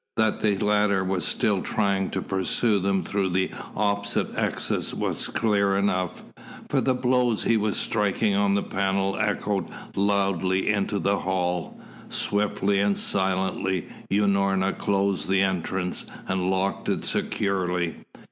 That the latter was still trying to pursue them through the opposite exit was clear enough, for the blows he was striking on the panel echoed loudly out into the hall. Swiftly and silently Unorna closed the entrance and locked it securely.